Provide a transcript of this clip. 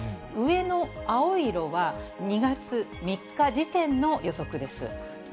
上の青色は、２月３日時点の予測です。